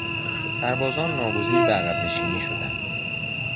سربازان ناگزیر به عقب نشینی شدند.